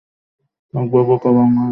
একবার বোকা বনেই শিক্ষা হয়েছে।